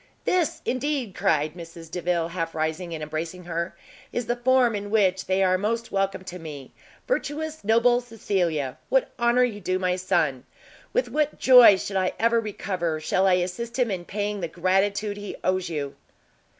"This, indeed," cried Mrs Delvile, half rising and embracing her, "is the form in which they are most welcome to me! virtuous, noble Cecilia! what honour you do my son! with what joy, should I ever recover, shall I assist him in paying the gratitude he owes you!"